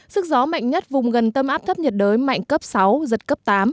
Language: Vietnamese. sức gió mạnh nhất vùng gần tâm áp thấp nhiệt đới mạnh cấp sáu giật cấp tám